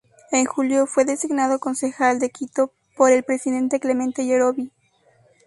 En julio fue designado Concejal de Quito por el presidente Clemente Yerovi.